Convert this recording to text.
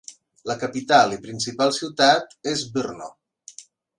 La capital i principal ciutat és Brno.